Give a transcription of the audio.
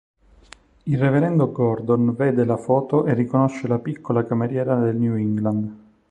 Il reverendo Gordon vede la foto e riconosce la piccola cameriera del New England.